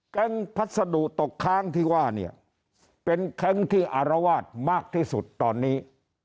พัสดุตกค้างที่ว่าเนี่ยเป็นแก๊งที่อารวาสมากที่สุดตอนนี้